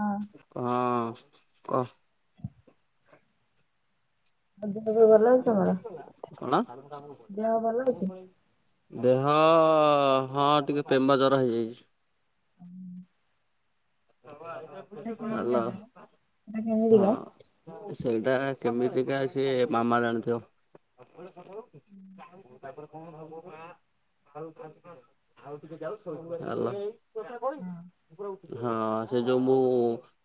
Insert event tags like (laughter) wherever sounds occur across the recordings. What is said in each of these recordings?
ହଁ ହଁ କହ? ଆଉ ଦେହ ବି ଭଲ ଅଛି ତମର କଣ? ଦେହ ଭଲ ଅଛି? ଦେହ ହଁ ଟିକେ ପେମ ଜର ହେଇଯାଇଛି। ସେଟା କେମିତିକା ହେଲୋ ଯେ? ସେଟା କେମିତିକା? ହଁ ସେଇଟା କେମିତି? କାଇଁ ସେ ମାମା ଜାଣିଥିବ। ହେଲୋ। ହଁ। ହଁ ସେ ଯୋଉ ମୁଁ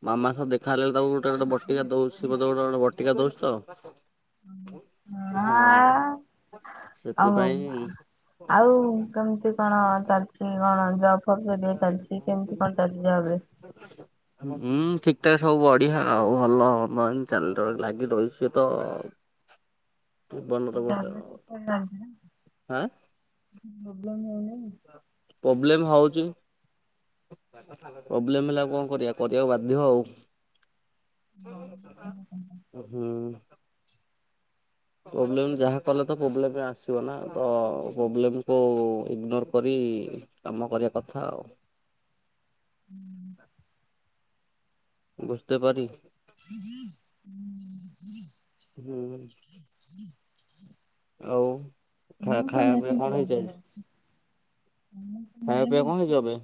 ମାମା ସହ ଦେଖା। ଖା ହେଲେ ତାକୁ ଗୋଟେ ଗୋଟେ ବଟିକା ଦଉଛି ସେ ମତେ ଗୋଟେ ଗୋଟେ ବଟିକା ଦଉଛି ତ। ହଁ ଆଉ ସେଥିପାଇଁ। ଆଉ କେମତି କଣ ଚାଲିଛି କଣ ଜବ୍ ଫବ୍ ଚାଲିଛି କେମିତି କଣ ଚାଲିଛି? ଏବେ। ହୁଁ ଠିକ ଠାକ ସବୁ ବଢିଆ ଆଉ ଭଲ ମ- ଏନ୍ - ଚା- ଲି ଲାଗି ରହିଛି ତ। ଜୀବନର ଗୋଟେ (inaudible) କିଛି ହାଁ ପ୍ରୋବଲେମ ହଉନି। ପୋବ୍ଲେମ୍ ହେଉଛି। ପ୍ରୋବଲେମ ହେଲା ଆଉ କଣ କରିବା କରିବାକୁ ବାଧ୍ୟ ଆଉ। ହୁଁ। ପୋବ୍ଲେମ ଯାହା କଲେ ତ ପୋବ୍ଲେମ ଆସିବ ନା ତ ପୋବ୍ଲେମକୁ ଇଗ୍ନୋର କରି। କି କାମ କରିବା କଥା ଆଉ। (unintelligible) ହୁଁ (inaudible) ଆଉ ସମସ୍ତଙ୍କୁ ଖାଇବା ବେଶୀ ପିଇବା କଣ ହେଇଛି ପ୍ରୋବ୍ଲେମ୍ ଆଜି? ହଉଛି ସମସ୍ତଙ୍କୁ ଖାୟା ନାଇଁ ପିଆ କଣ ହେଇଛି ଏବେ?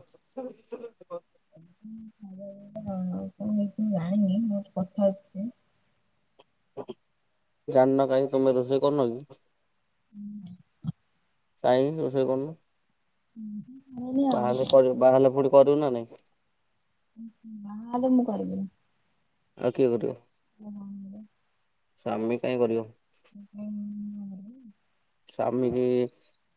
ଉ କଣ ଏ ଜାଣିନି ବହୁତ କଥା ଅଛି। ଜାଣନ କହି ତୁମେ ରୋଷେଇ କରନ କି? (unintelligible) କାହିଁ ରୋଷେଇ କରୁନ? ହୁଁ। ଜାଣିନି ଆଉ। ବାହା ହେଲେ କରୀ ପୁଣି କରିବୁ ନାଇଁ? ବାହାହେଲେ ମୁଁ କରିବିନି। ଆଉ କିଏ କରିବ? (unintelligible) ସ୍ୱମୀ କାହିଁ କରିବ? ସ୍ୱାମୀକୁ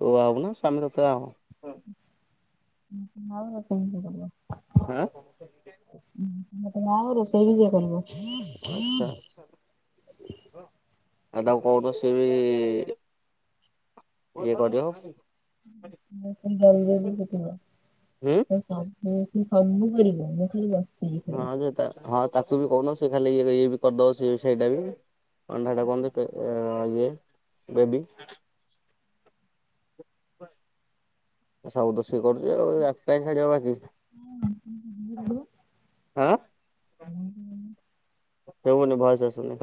ତୁ ବାହାହବୁନା ସିଏ ତତେ ବାହାହେବ? (unintelligible) ଆଁ। ହଁ ମତେ ବାହା ହବ ରୋଷେଇ ବି ସିଏ କରିବ। ଆଚ୍ଛା। ଆଉ ତାକୁ କହୁଦ ସି ବି ଇଏ କରିବ? (unintelligible) ହୁଁ। (unintelligible) ହଁ ଖାଇବି। ସେ ହଁ ତାକୁ ବି କହୁନ ସେ ଖାଲି ଇଏ ଇଏ ବି କରିଦବ ସେ ସେଇଟା ବି। କଣ ଟା ହେଟା କହନ୍ତି ବେବୀ। କ ସଉଦ ଠିକ କରୁଛି ଆଉ ଆ କା ଛାଡିବା ବାକି। ହଁ। ଆଁ ଶୁଭୁନି ଭଏସ ଆସୁନି।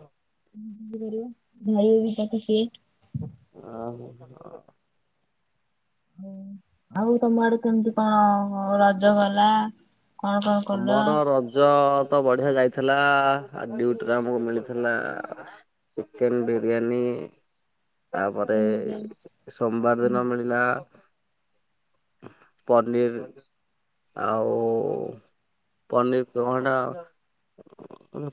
କର ଧାଇିବ ବି ତାକୁ ସିଏ। ଓ ହ। ହ ଆଉ ତମ ଆଡେ କେମିତି କଣ ରଜ ଗଲା? କଣ କଣ କଲ? ଆମର ରଜ ତ ବଢିଆ ଯାଇଛି। ଥିଲା ଆଉ ଡଉଟିରେ ଆମକୁ ମିଳିଥିଲା। ଚିକେନ ବିରିୟାନୀ। ତାପରେ ଚିକେନ ସୋମବାର ଫିକେନ ଦିନ ମିଳିଲା ପନିର ଆଉ ପନିର କୁ ଅଣ୍ଡା।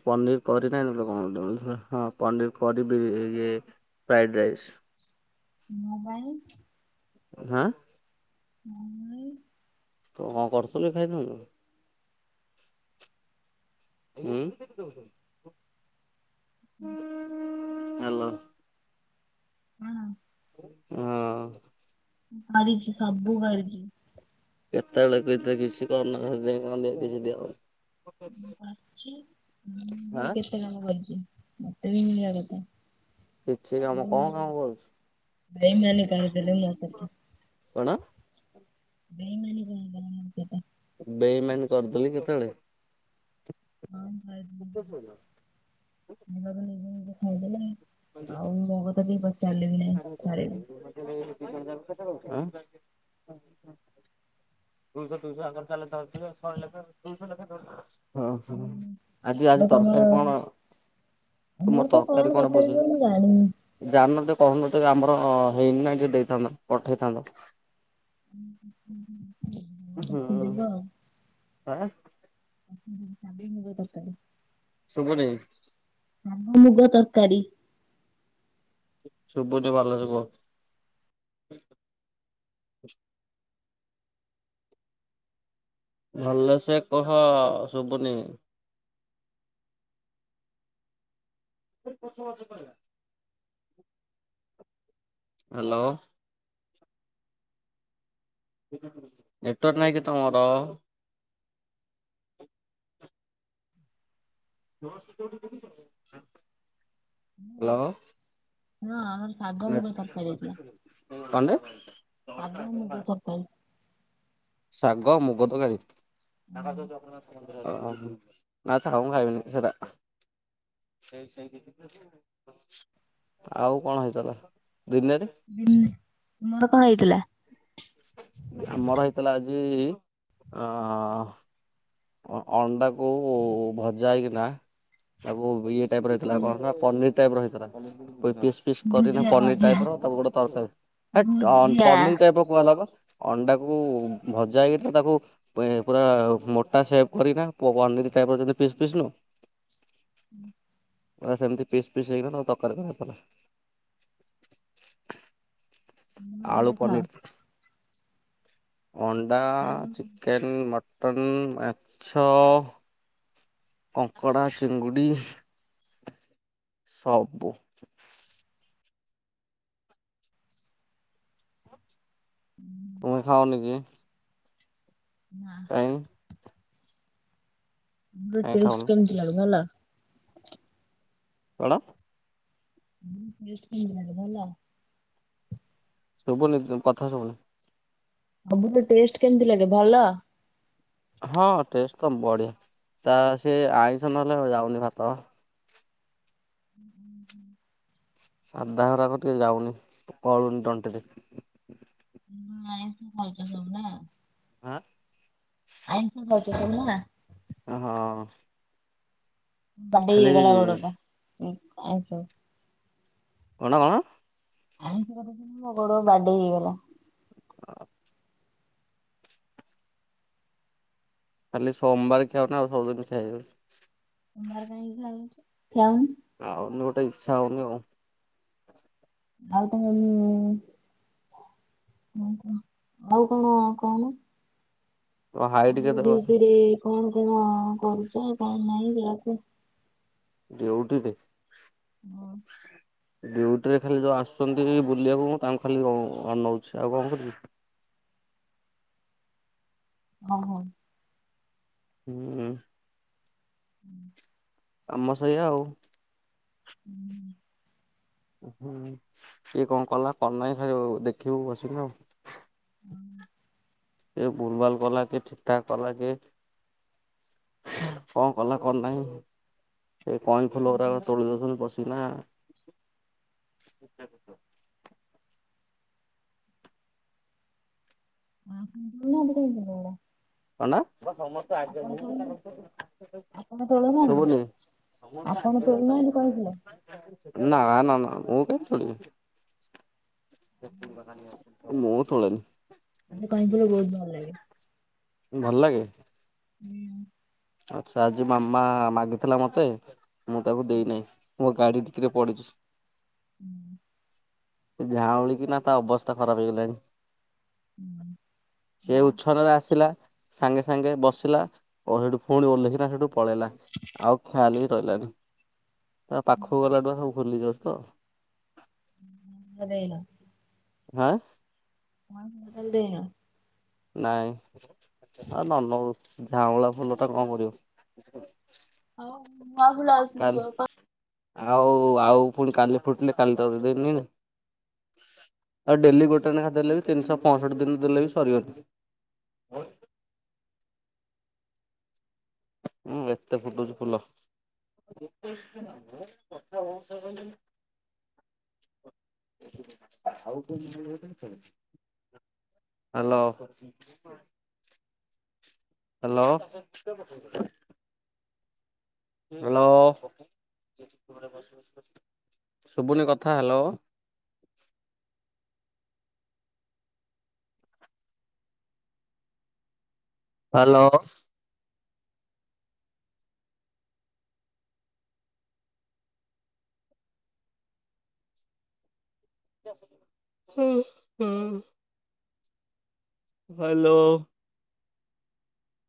ପନିର କରି ନାହିଁ କଣ ହଁ ପନିର କରିି ବି ଇଏ ଫ୍ରାଇଡ଼ ରାଇସ୍। ମୋ ପାଇଁ? ଆଁ। ମୁଁ। ତୁ କଣ କରୁଥିଲ କି ଖାଇ ଥାଆନ୍ତୁ? ଉଁ। (inaudible) ହେଲୋ। ହଁ। ହଁ। କରିଛି ସବୁ କରିଛି। କେତେବେଳକୁ ଏତ କିଛି କରନ ସେ କଣ କିଛି ଦିଆହବନି। ଛି ମୁଁ ବି ହାଁ କେତେ କାମ କରିଛି ମତେ ବି ମିଳିବା କଥା। କିଛି କାମ କିନ୍ତୁ କଣ କାମ କରୁଛୁ (inaudible) ଭାଇ ମାନେ ପାର ସେଲ ମଗ କଣ? ବେଇମାନୀ କଟ (inaudible) ବେଇମାନୀ କରିଦେଲି କେତେବେଳେ? କ ଖାଇ ଏ ନିଜେ ନିଜେ ଖାଇଦେଲ। ଆଉ ମୋ କଥା ଟିକେ ପଚାରିଲେନି ନାଇଁ ଥରେ ବି। ହୁଁ। (unintelligible) ଦୁଇଶହ ଦୁଇଶହ ଆକାର ଚାଲ ଧରିଥିବା ଶହେ ଲେଖା ଦୁଇଶହ ଲେଖା ଧରିଥା। ହଁ ଆଉ ହଁ ଆଜି ଆଜି ଆଉ ତମ ତରକାରୀ କଣ? ଆମର ତୁମର ତ ତରକାରୀ କଣ ବୁଝିଲ? ହୁଏ ମୁଁ ଜାଣିନି। ଆ ଟେ କହୁନୁ ଆମର ହେଇନି ନା ଟିକେ ଦେଇଥାନ୍ତ ପଠେଇଥାନ୍ତ। ହୁଁ ହୁଁ ହୁଁ, ହୁଁ, ଆ, ଶାଗ ମୁଗ ତରକାରି। ଶୁଭୁନି। ଶାଗ ମୁଗ ତରକାରୀ। ଶୁଭୁନି ଭଲରେ କୁହ। ଭଲସେକହ ଶୁବୁନି। ପଛ ପଛ କହିବା। ହ୍ୟାଲୋ। ନେଟୱର୍କ ନାହିଁ କି ତମର? ହ୍ୟାଲୋ। ହଁ। ସାଗ ମୁଗ ତରକାରୀ ହେଇଥିଲା କଣଟେ ସାଗ ମୁଗ ତରକାରୀ। ଶାଗ ମୁଗ ତରକାରୀ ହୁଁ, ଅ ଅ ଅ ନା ଖାଉନୁ ମୁଁ ଖାଇବିନି ସାଦା। ଆଉ କଣ ହେଇଥିଲା। ଦିନରେ ମୋର କଣ ହେଇଥିଲା ଆମର ହେଇଥିଲା ଆଜି ଯେ ଅ ଅଣ୍ଡାକୁ ଭଜା ହେଇକିନା ତାକୁ ଇଏ ଟାଇପ ରହିଥିଲା କଣ ହୁଁ ନା ପନିର ଟାଇପର ହେଇଥିଲା। ପିସ୍ ପିସ୍ କରିକିନା ଭୁଜିଆ ପନିର ଭୁଜିଆ ଟାଇପ ର ତାକୁ ଗୋଟେ ତରକାରୀ। ହେତ୍ ଭୁଜିଆ ପନିର ଟାଇପର କୁହା ହେଲା ପା। ଅଣ୍ଡାକୁ ଭଜାହେକି ତାକୁ ପୁରା ମୋ ସେପ କରିକିନା ପୁଅ ପାନିର ଟାଇପ ର ଯେମିତି ପିସ୍ ପିସ୍ ନୁହଁ? ହୁ। ସେମତି ପିସ୍ ପିସ୍ ହେଇକିନା ତାକୁ ତରକାରୀ କରା ହେଇଥିଲା। ଆଳୁ ଅଣ୍ଡା ଖାଅ ପନୀର୍। ଅଣ୍ଡା, ତାହେଲେ ତମେ ଚିକେନ୍, ମଟନ୍, ମାଛ। କଂଙ୍କଡ଼ା, ଚିଙ୍ଗୁଡ଼ି। ସବୁ। ତୁମେ ଖାଉନିକି? ନା କାହିଁ? କାଇଁ ଖାଉନି ଟେଷ୍ଟ କେମତି ଲାଗେ ଭଲ। କଣ? (unintelligible) ଭଲା ଶୁଭନି କଥା ଶୁଭୁନି। ସବୁଠୁ ଟେଷ୍ଟ କେମତି ଲାଗେ, ଭଲ? ହଁ ଟେଷ୍ଟ ତମ୍ ବଢିଆ, ତା ସିଏ ଆଇଁସ ନହେଲେ ଯାଉନି ଭାତ। ସାଧା ହେଗିରା ଟିକେ ଯାଉନି ଗଳୁନି ତଣ୍ଟିରେ। ହଁ ଆଇଁଷ ଖାଉଚ ସବୁ ନା? ଆଁ ଆଇଁଷ ଖାଉଚ ତାହେଲେ ନା। ହଁ। ବାଡେଇ ଖାଲି ହେଇଗଲା ଗୋଡଟା (unintelligible) କଣ କଣ? ଆଇଁଷ କଥା ଶୁଣି ମୁଁ ଗୋଡ଼ ବାଡେଇ ହେଇଗଲା। (inaudible) ଖାଲି ସୋମବାର ଖାଉନା, ଆଉ ସବଦିନ ଖାଇ (unintelligible) ସୋମବାରେ କାଇଁ ଖାଉଛ? ଖାଉନି ଖାଉନି ଗୋଟେ ଇଚ୍ଛା ହଉନି ଆଉ। ଆଉ ତମେ ଇଏ ଆଉ କଣ, ଆଉ କଣ କହୁନ? ତମ ହାଇଟ ଆଉ କେତେ କହିଲ? ଡ୍ୟୁଟିରେ କଣ କଣ କରୁଛ କଣ ନାଇଁ ସେରା କୁହ। ଡ୍ୟୁଟିରେ? ହଁ। ଡ୍ୟୁଟିରେ ଖାଲି ଯେଉଁ ଆସୁଛନ୍ତି ବୁଲିବାକୁ ମୁଁ ତାଙ୍କୁ ଖାଲି ଅନଉଛି ଆଉ କଣ କରିବି? ହଁ ହଉ। ହୁଁ। ହୁଁ। କାମ ସେୟ ଆଉ। ହୁଁ। ହୁଁ ଇଏ କଣ କଲା କରୁନି ଦେଖିବୁ ବସିକି ଆଉ। କେ ଭୁଲ ଭଲ କଲା କେ ଠିକଠାକ କଲା କେ କଣ କଲା କଣ ନାହିଁ ସେ କଇଁ ଫୁଲ ଗୁଡ଼ାକ ତୋଳି ଦେଉଛନ୍ତି ବସ ପଥିଲା (unintelligible) (unintelligible) ଆପଣ ତୋଳୁ ଶୁଭୁନି? ଆପଣ (unintelligible) ତୋଳୁନାହାନ୍ତି ନା ଆପଣ ନା ତୋଳୁନାହାନ୍ତି କହିଥିଲେ ନା ନା ମୁଁକେବେ ସୁଣିବିନି। ମୁ ତୋଳେନି। ମେତେ କଇଁ ଫୁଲ ବହୁତ ଭଲ ଲାଗେ। ଭଲ ଲାଗେ? ହୁଁ, ଆଚ୍ଛା ଆଜି ମାମା ମାଗିଥିଲା ମତେ ମୁଁ ତାକୁ ଦେଇନହିଁ ମୋ ଗାଡି କିରେ ପଡିଛି। ହୁଁ। ଝାଉଁଳି କିିନା ତା ଅବସ୍ଥା ଖରାପ ହେଇଗଲାଣି। ହୁଁ। ସେ ଉଚ୍ଛନରେ ଆସିଲା ସାଙ୍ଗେ ସାଙ୍ଗେ ବସିଲା ଓ ସେଠୁ ପୁଣି ଓଲ୍ଲେଖିଲା ସେଠୁ ପଳେଇଲା ଆଉ ଖଆଲେକି ରହିଲାନି। ତା ପାଖକୁ ଗଲା ଟୁ ସବୁ ଖୋଲି ଜସ ତ। (unintelligible) ହାଁ। ତ ଦେହ ନାଇଁ ଆଉ ନାନଉ। ଝାଉଁଳ ଫୁଲ ଟା କଣ କରିବ? ହଉ ବାହୁୁଲା ବା। କାଲି (unintelligible) ଆଉ ଆଉ ପୁଣି କାଲି ଫୁଟିଲେ କାଲି ତ ଦେଇନ ଆଉ ଡେଲି ଗୋଟେ ଲେଖେ ଦେଲେ ବି ତିନିଶହ ପଞ୍ଚଷଠି ଦିନ ଦେଲେ ବ ସରିବନି। (unintelligible) ହୁଁ ଏତେ ଫୁଟୁଛି ଫୁଲ। (unintelligible) (unintelligible) ହ୍ୟାଲୋ। ହ୍ୟାଲୋ। ହ୍ୟାଲୋ। ଶୁଭୁନି କଥା ହ୍ୟାଲୋ। (inaudible) ହ୍ୟାଲୋ। ହୁଁ ହୁଁ। ହ୍ୟାଲୋ।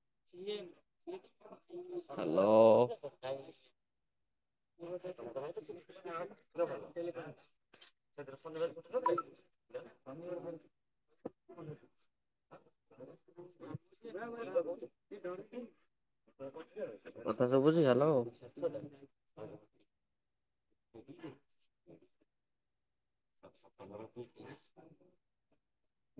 ହ୍ୟାଲୋ। (unintelligible) (unintelligible) (unintelligible) କଥା ସୁବୁଛି ହାଲୋ। (inaudible) ଆ ସତ ଭର ଦଷ୍ଟ (inaudible)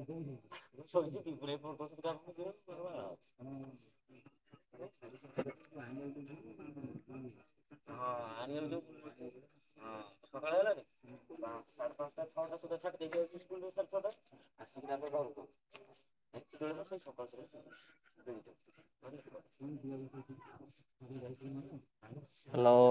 ହୁଁ ମୁୋଇଛି କିପପ (inaudible) ଆ (inaudible) ହଁ (inaudible) ଁ ସକାଳେ ହେଲାଣି (inaudible) ହ ସାଢେ ପାଞ୍ଚଟା ଛଅଟା ସୁଧା ଛାଡି ଦେଇକ ଯାଉଛି ସ୍କୁରୁୁଢେ ଛଅଟା ଆସିକି ଆମେ (unintelligible) (unintelligible) ସକାଳୁ ସକାଳୁ ହାଲୋ।